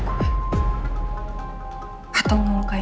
jangan berusaha usaha untuk mengejar saya